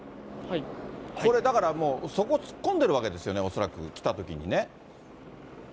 だからもう、そこ突っ込んでるわけですよね、恐らく、来たときにね。